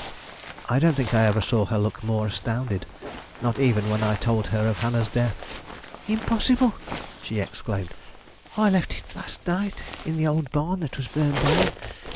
I don't think I ever saw her look more astounded, not even when I told her of Hannah's death. "Impossible!" she exclaimed. "I left it last night in the old barn that was burned down.